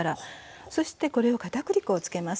そしてこれを片栗粉をつけます。